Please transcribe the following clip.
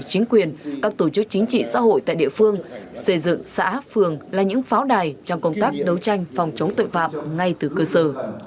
chính quyền các tổ chức chính trị xã hội tại địa phương xây dựng xã phường là những pháo đài trong công tác đấu tranh phòng chống tội phạm ngay từ cơ sở